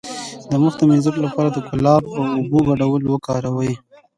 د مخ د مینځلو لپاره د ګلاب او اوبو ګډول وکاروئ